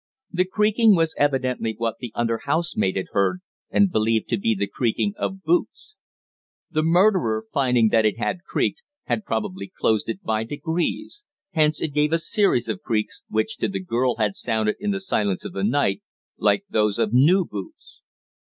The creaking was evidently what the under housemaid had heard and believed to be the creaking of boots. The murderer, finding that it creaked, had probably closed it by degrees; hence it gave a series of creaks, which to the girl had sounded in the silence of the night like those of new boots.